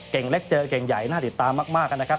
เล็กเจอเก่งใหญ่น่าติดตามมากนะครับ